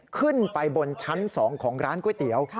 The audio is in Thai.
ขึ้นไปบนชั้น๒ของร้านก๋วยเตี๋ยว